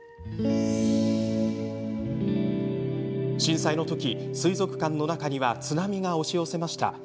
震災の時、水族館の中には津波が押し寄せました。